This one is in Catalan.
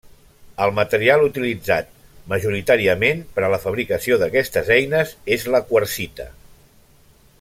El material utilitzat majoritàriament per a la fabricació d'aquestes eines és la quarsita.